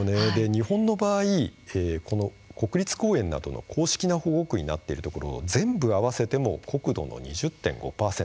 日本の場合国立公園などの公式な保護区になっているところ全部合わせても国土の２０．５％